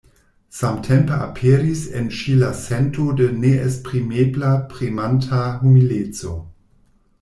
Samtempe aperis en ŝi la sento de neesprimebla premanta humileco.